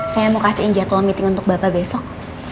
saya mau kasihin jadwal meeting untuk bapak besok